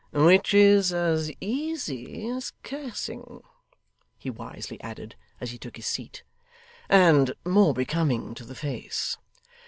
'Which is as easy as cursing,' he wisely added, as he took his seat, 'and more becoming to the face.